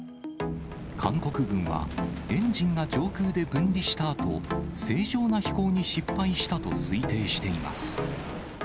韓国軍は、エンジンが上空で分離したあと、正常な飛行に失敗したと推定しています。